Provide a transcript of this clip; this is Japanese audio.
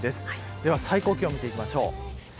では最高気温を見ていきましょう。